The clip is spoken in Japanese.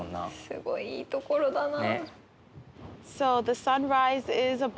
すごいいいところだな。